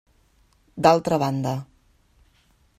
D'altra banda.